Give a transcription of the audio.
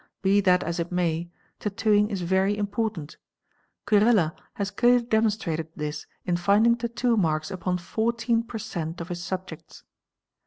Be that as it may, tattoo ing is very important; Kurella @ has clearly demonstrated this in finding tattoo marks upon 14 per cent. of his subjects.